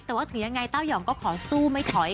แต่ว่าถึงยังไงเต้ายองก็ขอสู้ไม่ถอย